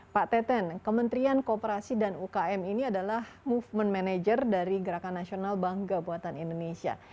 pak teten kementerian kooperasi dan ukm ini adalah movement manager dari gerakan nasional bangga buatan indonesia